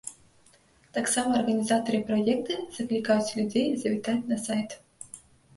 Таксама арганізатары праекта заклікаюць людзей завітаць на сайт.